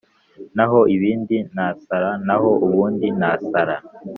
naho ubindi nasara, naho ubundi nasara